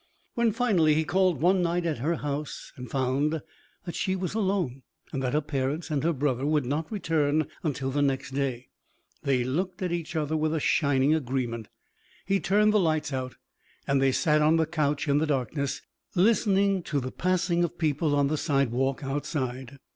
When, finally, he called one night at her house and found that she was alone and that her parents and her brother would not return until the next day, they looked at each other with a shining agreement. He turned the lights out and they sat on the couch in the darkness, listening to the passing of people on the sidewalk outside.